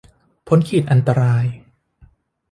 พ้นขีดอันตราย